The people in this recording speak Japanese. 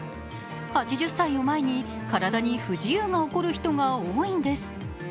８０歳を前に体に不自由が起こる人が多いんです。